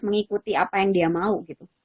mengikuti apa yang dia mau gitu